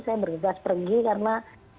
saya bergegas pergi karena